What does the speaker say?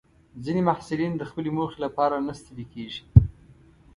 ځینې محصلین د خپلې موخې لپاره نه ستړي کېږي.